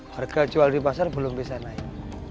harga jual di pasar belum bisa naik